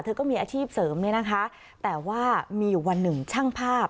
ก็มีอาชีพเสริมเนี่ยนะคะแต่ว่ามีอยู่วันหนึ่งช่างภาพ